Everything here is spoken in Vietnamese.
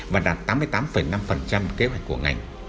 và đạt tám mươi tám năm kế hoạch của ngành